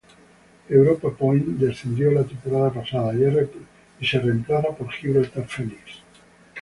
Europa Point descendió la temporada pasada y es reemplazado por Gibraltar Phoenix.